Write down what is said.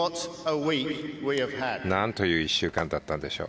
なんという１週間だったんでしょう。